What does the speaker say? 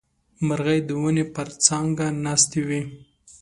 مرغۍ د ونې پر څانګه ناستې وې.